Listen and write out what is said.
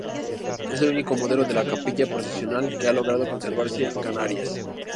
Es el único modelo de capilla procesional que ha logrado conservarse en Canarias.